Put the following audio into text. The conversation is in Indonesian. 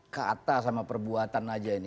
kata sama perbuatan aja ini